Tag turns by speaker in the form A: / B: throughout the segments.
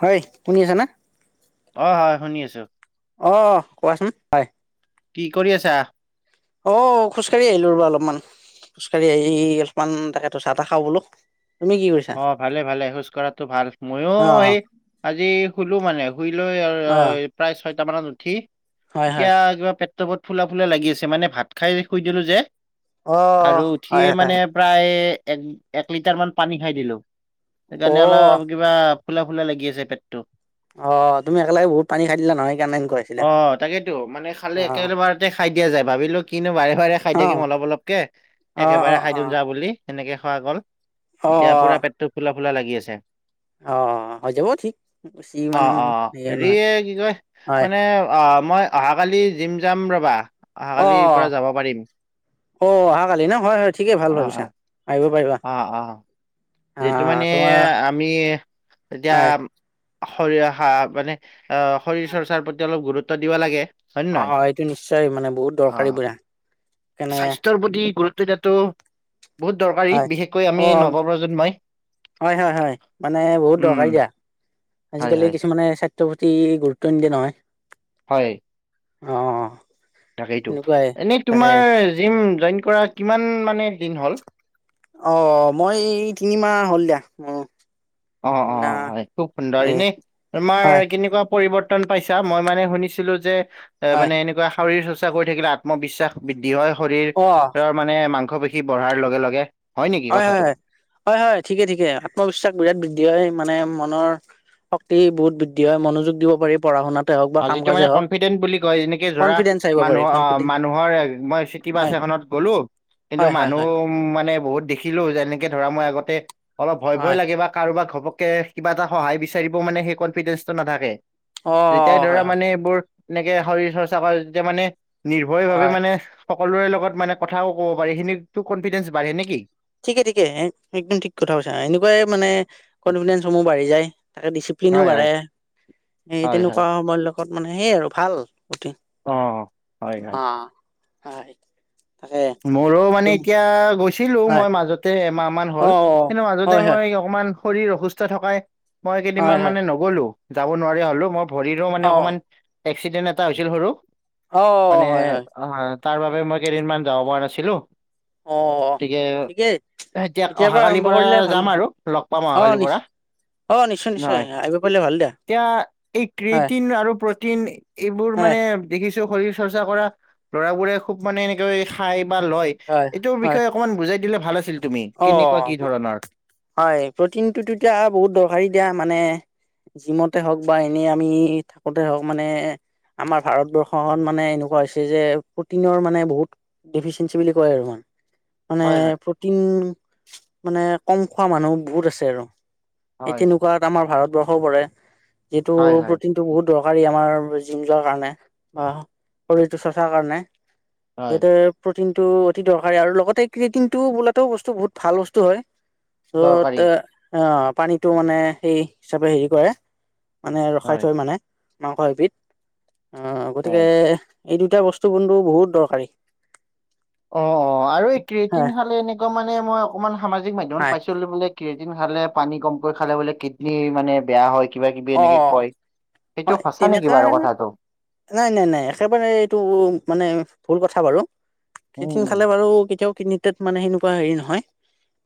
A: হয় তুমি জানা।
B: অ হয় শুনি আছো।
A: অ কোৱাচোন হয়।
B: কি কৰি আছা।
A: অ খোজকাঢ়ি আহিলো ৰবা অলপমান। খোজকাঢ়ি আহি অলপমান তাকেটো চাহ তাহ খাওঁ বোলো তুমি কি কৰিছা।
B: অ ভালে ভালে খোজ কঢ়াতো ভাল মইয়ো
A: অ
B: সেই আজি শুলো মানে। ঘুৰি লৈ
A: অ
B: প্ৰায় ছয়টা মানত উঠি
A: হয় হয়
B: এতিয়া কিবা। ত ফুলা ফুলা লাগি আছে মানে ভাত খাই শুই দিলো যে
A: অ
B: আৰু উঠিয়ে
A: হয় হয়
B: মানে। প্ৰায় এক এক লিটাৰ মান পানী খাই দিলোঁ
A: অ
B: সেইকাৰণে অলপ। কিবা ফুলা ফুলা লাগি আছে পেটতটো।
A: অ তুমি একেলগ বহুত পানী খাই দিলা নহয় সেইকাৰণে এনেকুৱা হৈছিলে।
B: অ তাকেইেতো মানে। খালে
A: অ
B: একেলবাৰতে খাই দিয়া যায় ভাবিলো কিনো বাৰে বাৰে খাই
A: অ
B: থাকিম অলপ অলপকে।
A: অ অ
B: একেবাৰে খাই দিম যা বুলি সেনেকে খোৱা গ'ল।
A: অ অ
B: এতিয়া পুৰা পেটটো ফুলা ফুলা লাগি আছে।
A: অ হৈ যাব ঠিক বেছি
B: অ
A: ইমান
B: অ হেৰি
A: নহয়
B: কি কয়
A: হয়
B: মানে আহ মই। অহাকালি জিম যাম ৰ'বা
A: অ
B: অহাকালিৰ পৰা যাব পাৰিম।
A: অ অহাকালি ন হয় হয় ঠিকেই ভাল
B: অ',
A: ভাবিছা
B: অ'।
A: আহিব পাৰিবা।
B: যিটো
A: আহ
B: মানে
A: তোমাৰ
B: আমি এতিয়া।
A: হয়
B: শৰীৰ আহা মানে অ শৰীৰ চৰ্চাৰ প্ৰতি অলপ গুৰুত্ব দিব লাগে। হয় নে
A: অ
B: নহয়?
A: অ এইটো নিশ্চয় মানে বহুত
B: অ
A: দৰকাৰী বুৰা।
B: স্বাস্থ্যৰ প্ৰতি গুৰুত্ব দিয়াতটো বহুত দৰকাৰী
A: হয়
B: বিশেষকৈ
A: অ
B: আমি নৱপ্ৰজন্মই।
A: হয় হয় হয় মানে বহুত
B: উম,
A: দৰকাৰী দিয়া
B: হয়,
A: আজিকালি
B: হয়,
A: কিছুমানে। তহতি গুৰুত্ব নিদিয় নহয়।
B: হয়।
A: অঁ অ।
B: তাকেইতটো
A: সেনেকুৱাই
B: এনেই
A: তাকে
B: তোমাৰ জিম জইন কৰা কিমান মানে দিন হ'ল।
A: অ মইএ তিনিমাহ হ'ল দিয়া অ।
B: অ অ হয় খুব সুন্দৰ
A: এ
B: এনে তোমাৰ
A: হয়
B: কেনেকুৱা। পৰিৱৰ্তন পাইছা মই মানে শুনিছিলো যে এ
A: হয়
B: মানে এনেকুৱা শৰীৰ চৰ্চা কৰি থাকিলে আত্মবিশ্বাস। বৃদ্ধি হয়
A: অ
B: শৰীৰৰ মানে মাংস পেশী বঢ়াৰ লগে লগে। নেকি
A: হয় হয়
B: কথাটো
A: হয় হয় হয় ঠিকে ঠিকে আত্মবিশ্বাস বিৰাট বৃদ্ধি হয় মানে মনৰ। শক্তি বহুত বৃদ্ধি হয় মনোযোগ দিব পাৰ প়ঢ়া শুনাত।
B: আৰু যিটো মানে কনফিডেন্ট বুলি কয় যেনেকে ধৰা।
A: কনফিডেন্স আহিব পাৰি
B: মানুহৰ অ
A: কনফিডেন্স
B: মানুহৰ মই চিটি বাছ
A: হয়
B: এখনত গ'লো কিন্তু
A: হয় হয়
B: মানুহ।
A: হয়
B: উ মানে বহুত দেখিলো যেনেকে ধৰা মই আগতে অলপ ভয় ভয়
A: হয়
B: লাগে বা কাৰোবাক ঘপককে। কিবা এটা সহায় বিচাৰিব মানে সেই কনফিডেন্ঞ্চটো নাথাকে।
A: অ
B: যেতিয়াই ধৰা
A: হয় হয়
B: মানে এইবোৰ এনেকে শৰীৰ চৰ্চা কৰা যেতিয়া মানে নিৰ্ভয় ভাৱে
A: হয়
B: মানে। সকলোৰে লগত মানে কথাও ক'ব পাৰি। সেইখিনিটো কনফিডেন্ঞ্চ বাঢ়ে নেকি।
A: ঠিকে ঠিকে একদম ঠিক কথা কৈছা। এনেকুৱাই মানে কনফিডেন্সসমূহ বাঢ়ি যায়। তাকে, পিনো
B: হয় হয়
A: বাঢ়ে। এই
B: হয় হয়
A: তেনেকুৱা সময় লগত মানে সেইয় আৰু ভাল গুটি।
B: অঁ হয় হয়।
A: হয় তাকে
B: মইও মানে
A: তুমি
B: এতিয়া গৈছিলো
A: হয়
B: মই মাজতে এমাহ মান
A: অ
B: হল। কিন্তু
A: অ
B: মাজতে
A: হয়
B: মই, অকমান শৰীৰ অসুস্থ থকাই মই
A: হয়
B: কেইদিনমান
A: হয় হয়
B: মানে নগলো যাব নোৱাৰা হ'লো মই ভৰিৰো
A: অ
B: মানে অকমান এক্সিডেন্ট এটা হৈছিল সৰু
A: অ
B: মানে,
A: হয় হয়
B: অ তাৰবাবে মই কেইদিন মান যাব পৰা নাছিলো।
A: অ অ
B: গতিকে
A: ঠিকেই।
B: এতিয়া
A: এতিয়াৰ পৰা
B: অহাকালিৰ
A: আৰম্ভ কৰিলে ভাল
B: যাম আৰু লগ পাম
A: দিয়া। অ
B: অহাকালিৰ পৰা
A: নিশ্ অ, নিশ্চয়,
B: হয়
A: নিশ্চয় আহিব পাৰিলে ভাল দিয়া।
B: এতিয়া এই
A: হয়
B: ক্ৰেইটিন আৰু প্ৰটিন এইবোৰ
A: হয়
B: মানে দেখিছো শৰীৰ চৰ্চা কৰা ল'ৰাবোৰে খুব মানে এনেকে খাই বা লয়
A: হয়
B: এইটোৰ
A: হয়
B: বিষয়ে অকনমান বুজাই দিলে ভাল আছিল তুমি
A: অ
B: কেনেকুৱা কি ধৰণৰ
A: হয় প্ৰ'টিনটো এতিয়া বহুত দৰকাৰী দিয়া মানে। জিমতে হওক বা এনেই আমি থাকোতে হওক মানে, আমাৰ ভাৰতবৰ্ষ মানে এনেকুৱা হৈছে যে প্ৰটিনৰ মানে বহুত, ডিফিচিয়েঞ্চি বুলি কয় আৰু ইমান মানে
B: হয় হয়
A: প্ৰটিন মানে কম খোৱা মানুহ বহুত আছে আৰু। সেই
B: হয়
A: তেনেকুৱা তাত আমাৰ ভাৰতবৰ্ষও পৰে যিটো
B: হয় হয়
A: প্ৰটিন টো বহুত দৰকাৰী আমাৰ জিম যোৱা কাৰণে বা শৰীৰটো চৰ্চাৰ কাৰণে।
B: হয়
A: সেইদৰে প্ৰটিন টো অতি দৰকাৰী আৰু লগতে ক্ৰিয়েটিন টো বোলাতোও বস্তু বহুত ভাল বস্তু হয়।
B: দৰকাৰী
A: ত'তে অ পানীটো মানে সেই চবেই হেৰি কৰে। মানে ৰখাই
B: হয়
A: থয় মানে মাংস এবিধ অহ গতিকে,
B: হয়
A: এই দুটা বস্তু কিন্তু বহুত দৰকাৰী
B: অ অ আৰু এই
A: হয়
B: ক্ৰয়েটিন খালে এনেকুৱা মানে মই অকমান সামাজিক মাধ্যমত
A: হয়
B: পাইছিলো বোলে কেইদিন খালে পানী কমকৈ খালে বোলে কিডনী মানে বেয়া হয়। কিবা কিবি
A: অ
B: এনেকে কয়।
A: হয়
B: সেইটো সঁচা
A: তেনেকা
B: নিকি বাৰু কথাটো।
A: নাই নাই নাই। একেবাৰে এইটো মানে ভুল কথা বাৰু।
B: উম
A: কিঠিন খালে
B: উম
A: বাৰু কেতিয়াও কিডনিতেত মানে সেনেকুৱা হেৰি নহয়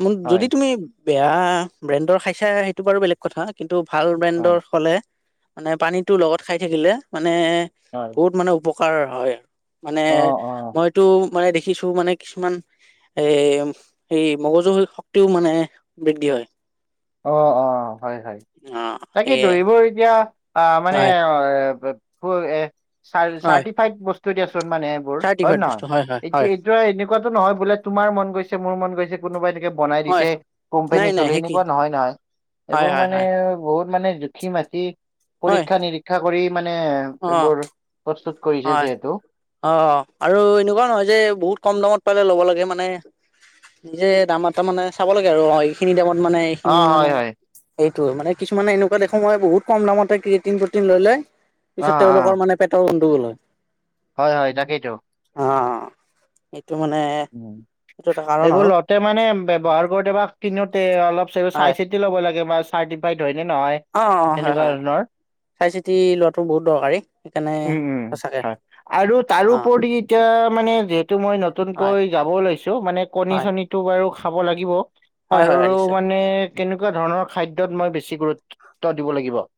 A: মান
B: হয়
A: যদি তুমি বেয়া ব্ৰেণ্ডৰ খাইছা সেইটো বাৰু বেলেগ কথা। কিন্তু ভাল ব্ৰেণ্ড,
B: হয়
A: দৰ হ'লে মানে পানীটো লগত খাই থাকিলে মানে
B: হয়
A: বহুত মানে উপ কাৰ হয় মানে
B: অ অ
A: মইতো মানে দেখিছো মানে কিছুমান, এই এই মগজু শক্তিও মানে বৃদ্ধি হয়।
B: অ অ হয় হয়।
A: অ
B: তাকেটো
A: সেয়ে
B: এইবোৰ এতিয়া অ মানে
A: হয়
B: অ বোৰ এ চাৰ
A: হয়
B: চাৰ্টিফাইড বস্তু দিচোন মানে এইবোৰ হয়নে
A: চাৰ্টিফাইড
B: নহয়।
A: বস্তু হয় হয়
B: এইটো
A: হয়
B: এট এনেকুৱাটো নহয় বোলে তোমাৰ মন গৈছে মোৰ মন গৈছে কোনোবাই এনেকে বনাই
A: হয়
B: দিছে
A: নাই
B: কোম্পানীৰ
A: নাই
B: কলেই
A: সেই
B: নে
A: কি
B: কোৱা নহয় নহয়।
A: হয়
B: এইবোৰ
A: হয়
B: মানে
A: হয়
B: বহুত মানে জুখি মাখি
A: হয়
B: পৰীক্ষা নিৰীক শিক্ষা কৰি মানে
A: অ
B: এইবোৰ প্ৰস্তুত কৰিছে
A: হয়
B: যিহেতু,
A: অ আৰু এনেকুৱা নহয় যে বহুত কম দামত পালে ল'ব লাগে মানে। নিজে দামত এটা মানে চাব লাগে আৰু এই খিনি দামত মানে
B: অ
A: খিনি
B: হয়
A: মানে
B: হয়
A: সেইটোৱে মানে কিছুমানে এনেকুৱা দেখো মই বহুত কম দামতে ক্ৰয়েটিন প্ৰটিন ললে।
B: অ
A: পিছত
B: অ
A: তেওঁলোকৰ মানে পেটৰ গণ্ডগোল হয়।
B: হয় হয় তাকেইতো
A: অ এইটো মানে এইটো এটা কাৰণ আৰু
B: তে মানে ব্যৱহাৰ কৰোতে বা কিনোতে অলপ
A: হয়
B: চাই চিতি ল'ব লাগে বা চাৰ্টিফাইড হয় নে নহয়।
A: অ হয়
B: এনেকুৱা
A: হয়।
B: ধৰণৰ
A: চাই চিতি লোৱাটো বহুত দৰকাৰী। সেইকাৰণে
B: উম উম
A: সঁচাকে
B: হয় আৰু
A: অ
B: তাৰোপৰি। এতিয়া মানে যিহেতু মই
A: হয়
B: নতুনকৈ যাব লৈছো মানে কণী
A: হয়
B: চনীত [inaudible] টো বাৰু খাব লাগিব
A: হয় হয় হয়
B: আৰু
A: নিশ্চয়
B: মানে কেনেকুৱা ধৰণৰ খাদ্যত মই বেছি গুৰুত্ব [inaudible] দিব লাগিব? [inaudible]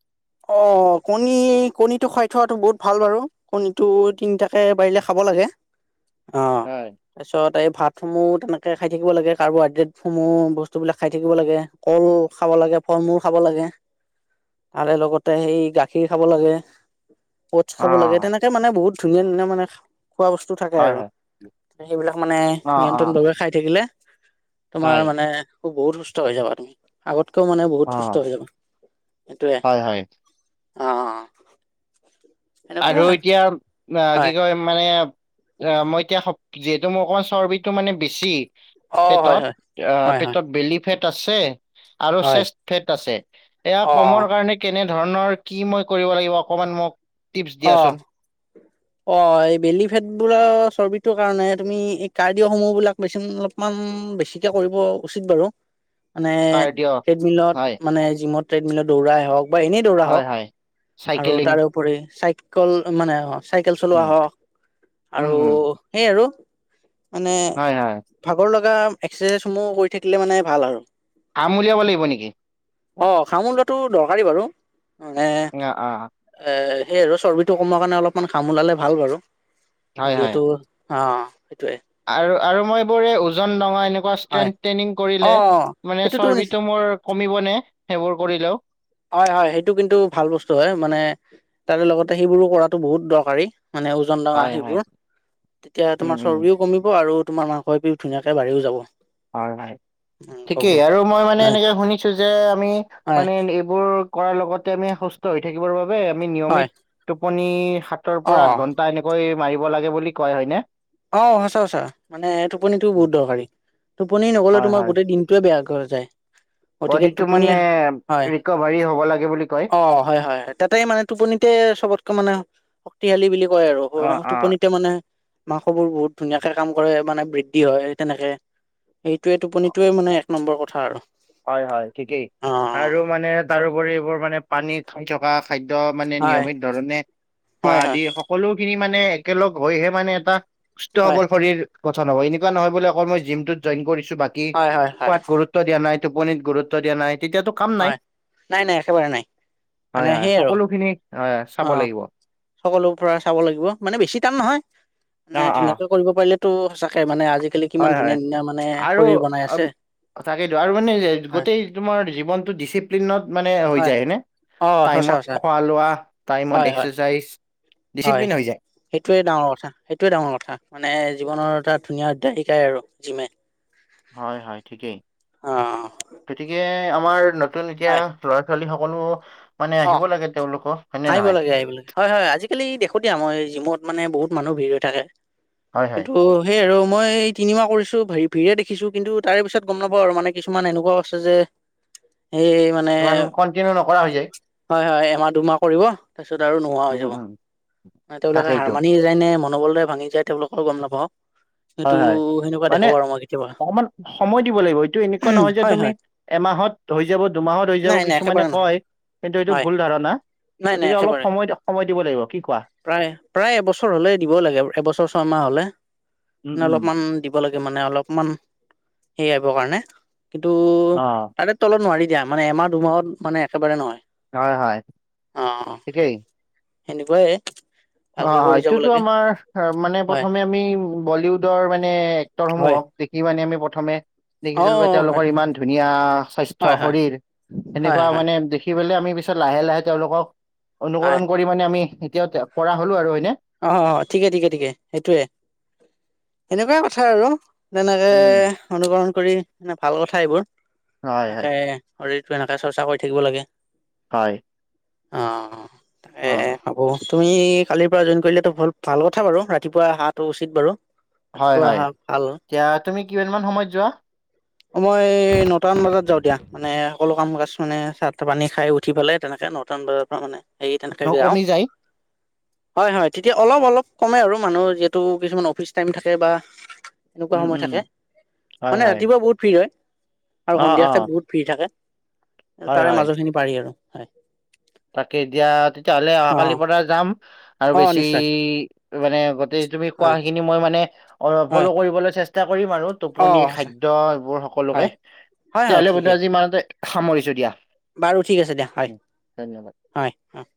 A: অ! কণী, কণীটো খাই থোৱাটো বহুত ভাল বাৰু। [unintelligible] কণীটো তিনিটাকে পাৰিলে খাব লাগে। অঁ!
B: হয়
A: [inaudible] তাৰপিছত এই ভাতসমূহ তেনেকে খাই থাকিব লাগে। কাৰ্বহাইড্ৰেটসমূহ বস্তুবিলাক খাই থাকিব লাগে। [unintelligible] কল খাব লাগে, ফল-মূল খাব লাগে। [inaudible]
B: [inaudible]
A: তাৰে লগত [inaudible] তাতে সেই গাখীৰ খাব লাগে, অউটছ খাব লাগে
B: অ',
A: তেনেকে মানে বহুত ধুনীয়া-ধুনীয়া মানে [unintelligible] খোৱা বস্তু থাকে
B: হয়,
A: আৰু।
B: হয়।
A: সেইবিলাক মানে
B: অ', অ',
A: নিয়ন্ত্ৰণভাৱে খাই থাকিলে [unintelligible]
B: হয়
A: তোমাৰ মানে [inaudible] বহুত সুস্থ হৈ যাবা তুমি। আগতকেও মানে বহুত সুস্থ
B: অ',
A: হৈ যাবা। সেইটোৱে [inaudible]
B: হয়, হয়
A: অঁ। [inaudible]
B: আৰু এতিয়া [inaudible] আহ
A: হয়
B: কি কয় মানে? অ [inaudible] মই এতিয়া [inaudible] যিহেতু মোৰ অকমান চৰ্বিটো মানে বেছি
A: অ', হয়
B: পেটত।
A: হয়
B: অ [inaudible]
A: হয় হয়
B: পেটত বেলি ফেট আছে। আৰু
A: হয়।
B: চেষ্ট ফেট আছে। এয়া
A: অ
B: কমৰ কাৰণে [inaudible] কেনে ধৰণৰ কি মই কৰিব লাগিব, অকমান মোক [inaudible]
A: অঁ‌
B: দিয়াচোন
A: [inaudible]
B: [unintelligible]
A: অঁ! এই বেলি ফেটবোৰৰ চৰ্বিটোৰ কাৰণে তুমি এই কাৰ্ডিঅসমূহ বিলাক [inaudible] [unintelligible] অলপমান বেছিকে কৰিব উচিত বাৰু।
B: [inaudible]
A: মানে
B: কাৰ্ডিঅ' হয়
A: ট্ৰেডমিলত মানে জিমত ট্ৰেডমিলত দৌৰাই হওক [inaudible] বা এনেই দৌৰা
B: হয়
A: হ‌ওক
B: হয়
A: আৰু
B: চাইকেলিং
A: তাৰো [inaudible] [unintelligible] চাইকল মানে, অঁ চাইকেল চলোৱা
B: উম
A: হওক
B: উম
A: আৰু
B: উম,
A: সেই আৰু, মানে
B: হয় হয়
A: [inaudible] ভাগৰ লগা এক্সাৰচাইজসমূহ কৰি থাকিলে মানে ভাল আৰু। [inaudible]
B: ঘাম উলিয়াব লাগিব নেকি? [inaudible]
A: অ! ঘাম ওলোৱাটো দৰকাৰী বাৰু মানে
B: অ অ
A: এ [inaudible] সেই আৰু চৰ্বিটো কমোৱাৰ কাৰণে অলপমান ঘাম ওলালে ভাল বাৰু যিহেতু [inaudible] অ! সেইটোৱেই। [inaudible]
B: আৰু-আৰু মই এইবোৰ ওজন ডঙা এনেকুৱা
A: হয়
B: ষ্ট্ৰেং ট্ৰেইনিং
A: অ
B: কৰিলে [inaudible] মানে
A: সেইটোতো নিচ
B: চৰ্বিটো মোৰ কমিব নে, সেইবোৰ কৰিলেও? [inaudible]
A: হয়-হয়। সেইটো কিন্তু ভাল বস্তু হয় মানে তাৰে লগতে সেইবোৰো কৰাটো বহুত দৰকাৰী। [inaudible] মানে ওজন ডঙা
B: হয় হয়
A: সেইবোৰ, তেতিয়া
B: উম
A: তোমাৰ
B: উম
A: চৰ্বিও কমিব আৰু তোমাৰ মা [inaudible] চৰ্বিও ধুনীয়াকৈ বাঢ়িও যাব। [inaudible]
B: হয়-হয়। ‌ ঠিকেই
A: মাংসবোৰ
B: আৰু মই মানে
A: হয়
B: এনেকে শুনিছোঁ যে আমি
A: হয়
B: মানে এই [unintelligible] [unintelligible] বোৰ কৰাৰ লগতে আমি সুস্থ হৈ থাকিবৰ বাবে আমি নিয়মিত
A: হয়
B: টোপনি সাত [inaudible] সাতৰ
A: অ
B: পৰা আঠ ঘন্টা এনেকৈ মাৰিব লাগে বুলি কয় হয় নে? [inaudible]
A: অঁ! সঁচা-সঁচা। মানে টোপনিটো বহুত দৰকাৰী। টোপনি নগলে
B: হয়
A: তোমাৰ
B: হয়
A: গোটেই দিন [inaudible] [unintelligible] টোৱেই বেয়া কৰা যায়। [inaudible] গতিকে
B: বডিটো
A: টোপনি,
B: মানে
A: হয়
B: ৰিকভাৰী হ'ব লাগে বুলি কয়।
A: অ হয়-হয়-হয়। তাতে মানে [inaudible] টোপনিতে চবতকে মানে শক্তিশালী বুলি কয় আৰু।
B: অ অ
A: টোপনিতে মানে [inaudible] মাংসবোৰ বহুত ধুনীয়াকে কাম কৰে মানে বৃদ্ধি হয়। তেনেকে [inaudible] সেইটোৱে, টোপনিটোৱে মানে এক নম্বৰ কথা আৰু।
B: হয় হয় ঠিকেই,
A: অ
B: আৰু মানে তাৰোপৰি এইবোৰ মানে পানীত শুই থকা। খাদ্য মানে
A: হয়
B: নিয়মিত ধৰণে খোৱা
A: হয় হয়
B: আদি সকলো খিনি মানে একেলগ হৈহে মানে এটা সুস্থ
A: হয়
B: সবল শৰীৰ কথা নহয়, এনেকুৱা নহয় বোলে আক মই জিমটোত জইন কৰিছো বাকী,
A: হয় হয় হয়
B: খোৱাত গুৰুত্ব দিয়া নাই। টোপনিত গুৰুত্ব দিয়া নাই তেতিয়াতো কাম নাই
A: হয়, নাই নাই একেবাৰে নাই, মানে
B: হয় হয়
A: সেই আৰু।
B: সকলোখিনি হয় চাব
A: অঁ,
B: লাগিব অ
A: সকলো পৰা চাব লাগিব, মানে বেছি টান নহয় মানে
B: অ
A: ধুনীয়াকৈ কৰিব পাৰিলেতো সঁচাকে মানে আজিকালি কিমান
B: হয়
A: ধুনীয়া,
B: হয়
A: ধুনীয়া মানে শৰীৰ বনাই আছে।
B: অ, তকেইটো আৰু মানে
A: হয়
B: গোটেই তোমাৰ জীৱনটো ডিচিপ্লিনত মানে হৈ যায় হয় নে,
A: অ সঁচা সঁচা
B: টাইমত খোৱা লোৱা
A: হয়
B: টাইমত
A: হয়
B: এক্সাৰচাইজ।
A: হয়
B: ডিচিপ্লিন হৈ যায়।
A: সেইটোৱে ডাঙৰ কথা, সেইটোৱে ডাঙৰ কথা মানে জীৱনৰ এটা ধুনীয়া অধ্যায়াই শিকাই আৰু জিমে।
B: হয় হয় ঠিকেই।
A: অঁ।
B: গতিকে আমাৰ নতুন এতিয়া
A: হয়
B: লৰা, ছোৱালী সকলো মানে
A: অ
B: আহিব লাগে তেওঁলোকো হয়নে
A: আহিব
B: নহয়?
A: লাগে আহিব লাগে হয় হয়, আজিকালি দেখোঁ দিয়া মই জিমত মানে বহুত মানুহ ভিৰ হৈ থাকে।
B: হয় হয়
A: সেইটো সেইয়ে আৰু মই এই তিনিমাহ কৰিছো ভৰি ভিৰে দেখিছো কিন্তু তাৰে পিছত গম নাপাওঁ আৰু মানে কিছুমান এনেকুৱাও আছে যে সেই মানে
B: ইমান কন্টিনিউ নকৰা হৈ যায়।
A: হয় হয়, এমাহ, দুমাহ কৰিব। তাৰপিছত আৰু নোহোৱা হৈ
B: উম
A: যাব
B: উম
A: মানে তেওঁলোকে
B: তাকেইতো
A: হাৰমানি যায় নে মনোবলৰে ভাঙি যায়, তেওঁলোকৰ গম নাপাওঁ, সেইটো
B: হয় হয়
A: সেনেকুৱা
B: মানে
A: দেখো আৰু মই। কেতিয়াবা
B: অকমান সময় দিব লাগিব এইটো এনেকুৱা
A: উম,
B: নহয় যে
A: হয়
B: তুমি
A: হয়
B: এমাহত হৈ যাব দুমাহত হৈ যাব
A: নাই নাই
B: কিছুমানে
A: একেবাৰে নহয়
B: কয়। কিন্তু এইটো
A: হয়
B: ভুল ধাৰণা
A: নাই নাই
B: গতিকে অলপ
A: একেবাৰে
B: সময় সময় দিব লাগিব কি কোৱা?
A: প্ৰায়, প্ৰায় এবছৰ হলে দিব লাগে, এবছৰ, ছয়মাহ হ'লে,
B: উম
A: নে
B: উম
A: অলপমান দি ব লাগে মানে অলপমান, সেৰি আহিব কাৰণে কিন্তু
B: অ
A: তাৰে তলত নোৱাৰি দিয়া মানে এমাহ, দুমাহত মানে একেবাৰে নহয়।
B: হয় হয়, ঠিকেই।
A: সেনেকোৱাইয়ে।
B: আ এইটোতো আমাৰ মানে
A: হয়
B: প্ৰথমে আমি বলিউডৰ মানে এক্টৰসমূহ
A: হয়
B: হওক। দেখি মানে আমি প্ৰথমে
A: অ
B: দেখিছিলো বা
A: অ হয়
B: তেওঁলোকৰ ইমান ধুনীয়া স্বাস্থ্য
A: হয় হয়
B: শৰীৰ
A: হয়
B: সেনেকুৱা
A: হয়
B: মানে দে খি পেলাই আমি পিছত লাহে লাহে, তেওঁলোকক
A: হয়
B: অনুকৰণ কৰি মানে আমি এতিয়া কৰা হ'লো আৰু হয়নে?
A: অঁ অঁ, ঠিকে ঠিকে ঠিকে সেইটোৱে সেনেকুৱাই কথা আৰু। তেনেকে
B: উম
A: অনুকৰণ কৰি মানে ভাল কথা এইবোৰ
B: হয় হয়
A: তাকে শৰীৰটো এনেকে চৰ্চা কৰি থাকিব লাগে।
B: হয়।
A: অঁ, তাকে
B: অ
A: হব তুমি কালি পৰা জইন কৰিলে ভাল কথা বাৰু ৰাতিপুৱা আহাটো উচিত বাৰু।
B: হয়
A: ৰাতিপুৱা
B: হয়,
A: অহা ভাল
B: এতিয়া তুমি কিমানামান সময়ত যোৱা?
A: অ মই নটামান বজাত যাওঁ দিয়া, মানে সকলো কাম কাজ মানে চাহ পানী খাই উঠি পেলাই তেনেকে ন টামান বজাৰ পৰা মানে হেৰি
B: ন
A: তেনেকাকে যাওঁ।
B: কমি যায়
A: হয় হয় তেতিয়া অলপ অলপ কমে আৰু মানুহ যিহেতু কিছুমান অফিচ টাইম থাকে বা এনেকুৱা
B: উম
A: সময়
B: উম
A: থাকে
B: হয়
A: মানে
B: হয়
A: ৰাতিপুৱা বহুত ফ্ৰী হয় আৰু
B: অ অ
A: সন্ধিয়াত বহুত ফ্ৰী থাকে,
B: হয়
A: তাৰে
B: হয়
A: মাজৰ খিনি পাৰি আৰু হয়।
B: তাকে এ, দিয়া তেতিয়াহ'লে
A: অ
B: অহাকালিৰ পৰা যাম। আৰু
A: অ
B: বেছি
A: নিশ্চয়
B: মানে গোটেই তুমি
A: হয়
B: কোৱাখিনি মই মানে অলপ
A: হয়
B: হ'লেও কৰিবলৈ চেষ্টা চষ্টা কৰিম আৰু
A: অ
B: টোপনি, খাদ্য এইবোৰ সকলোকে
A: হয় হয় হয়
B: তেতিয়াহ'লে কিন্তু
A: ঠিকেই
B: আজি ইমানতে সামৰিছোঁ দিয়া।
A: বাৰু ঠিক আছে দিয়া হয়।
B: ধন্যবাদ।
A: হয়, হয়।